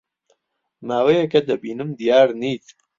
ماوەیەکە دەبینم دیار نیت.